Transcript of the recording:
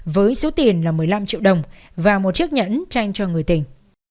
với số tiền là một mươi năm triệu đồng và một chiếc nhẫn tranh cho người tình